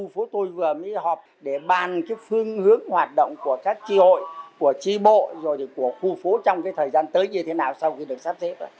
phương hướng hoạt động của các tri hội của tri bộ của khu phố trong thời gian tới như thế nào sau khi được sắp xếp